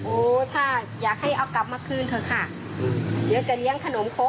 โอ้ถ้าอยากให้เอากลับมาคืนเถอะค่ะ